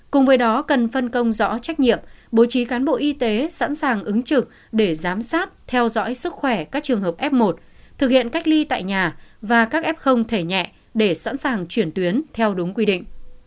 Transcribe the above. cùng với đó cần phân công rõ trách nhiệm bố trí cán bộ y tế sẵn sàng ứng trực để giám sát theo dõi sức khỏe các trường hợp f một thực hiện cách ly tại nhà và các f thể nhẹ để sẵn sàng chuyển tuyến theo đúng quy định